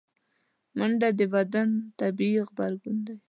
منډه د بدن طبیعي غبرګون دی